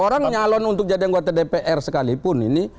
orang nyalon untuk jadi anggota dpr sekalipun ini